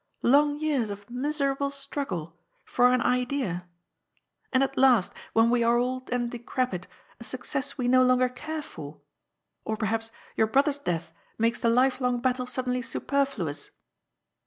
"Long years of miserable struggle — for an idea ? And at last, when we are old and decrepit, a success we no longer care for. Or, per haps, your brother's death makes the life long battle sud denly superfluous."